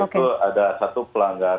itu ada satu pelanggan